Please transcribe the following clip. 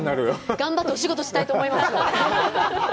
頑張ってお仕事したいと思います。